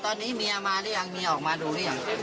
ตอนนี้เมียมาหรือยังเมียออกมาดูหรือยัง